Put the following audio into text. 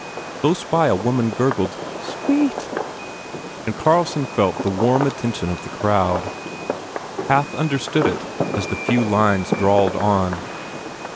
Close by a woman gurgled, "Sweet!" and Carlson felt the Warm attention of the crowd, half understood it 1 8 A PERSONAGE as the few lines drawled on.